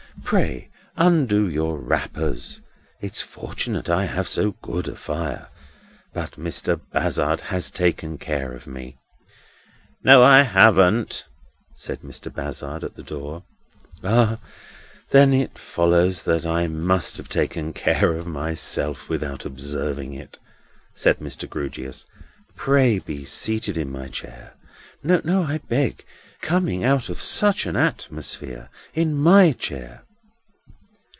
Pray undo your wrappers. It's fortunate I have so good a fire; but Mr. Bazzard has taken care of me." "No I haven't," said Mr. Bazzard at the door. "Ah! then it follows that I must have taken care of myself without observing it," said Mr. Grewgious. "Pray be seated in my chair. No. I beg! Coming out of such an atmosphere, in my chair."